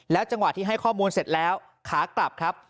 จังหวะที่ให้ข้อมูลเสร็จแล้วขากลับครับ